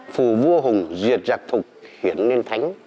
phù vua hùng diệt giặc thục hiển lên thánh